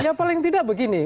ya paling tidak begini